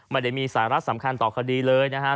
ไม่ได้มีสาระสำคัญต่อคดีเลยนะฮะ